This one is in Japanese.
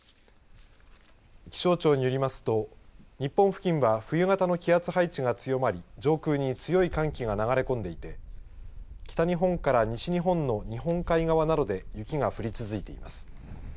気象庁によりますと日本付近は冬型の気圧配置が強まり上空に強い寒気が流れ込んでいて北日本から西日本の日本海側などで雪が降り続いています。